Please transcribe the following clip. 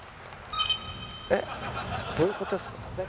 えっ？どういう事ですか？